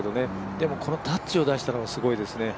でも、このタッチを出したのがすごいですよね。